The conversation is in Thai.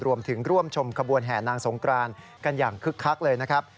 รวมถึงร่วมชมขบวนแห่นางสงกรานกันอย่างคึกคักเลยนะครับ